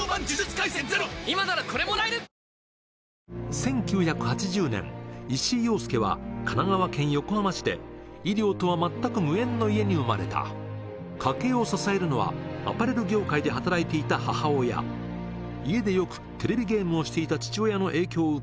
１９８０年石井洋介は神奈川県横浜市で医療とは全く無縁の家に生まれた家計を支えるのはアパレル業界で働いていた母親家でよくテレビゲームをしていた父親の影響を受け